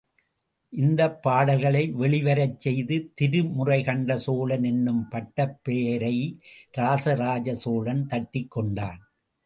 இந்தப் பாடல்களை வெளிவரச் செய்து திருமுறை கண்ட சோழன் என்னும் பட்டப் பெயரை இராசராச சோழன் தட்டிக் கொண்டான்.